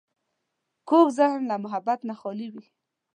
کوږ ذهن له محبت نه خالي وي